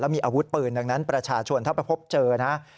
มีอาวุธปืนดังนั้นประชาชนถ้าไปพบเจอนะ